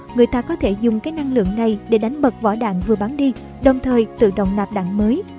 người ta có thể dùng cái năng lượng này để đánh bật vỏ đạn vừa bắn đi đồng thời tự động nạp đạn mới